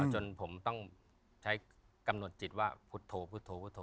จนผมต้องใช้กำหนดจิตว่าพุทธโธพุทธวุฒโธ